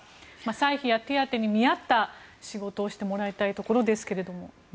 歳費や手当に見合った仕事をしてもらいたいところですけど。